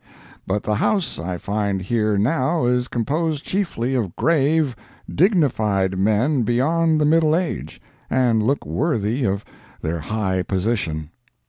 But the House I find here now is composed chiefly of grave, dignified men beyond the middle age, and look worthy of their high position.